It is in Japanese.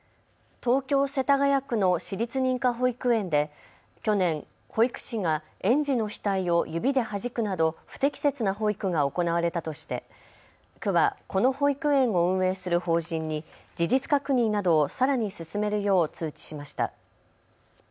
東京世田谷区の私立認可保育園で去年、保育士が園児の額を指ではじくなど不適切な保育が行われたとして区はこの保育園を運営する法人に事実確認などをさらに進めるよう通知しました。